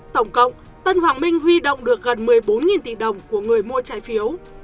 tổng cộng tân hoàng minh huy động được gần một mươi bốn tỷ đồng của người mua trái phiếu